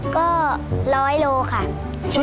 ก็ร้อยโลกรัมค่ะ